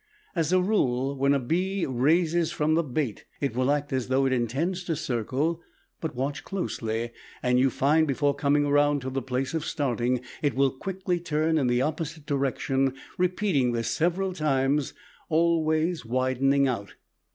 As a rule when a bee raises from the bait it will act as though it intends to circle, but watch closely and you find before coming around to the place of starting it will quickly turn in the opposite direction, repeating this several times always widening out.